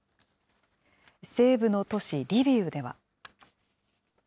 西部の都市リビウでは。